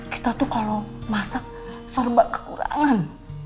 kita tuh kalau masak serba kekurangan